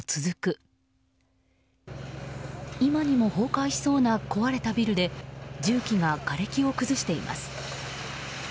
今にも崩壊しそうな壊れたビルで重機ががれきを崩しています。